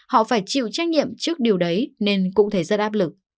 họ phải chịu trách nhiệm trước điều đấy nên cũng thấy rất áp lực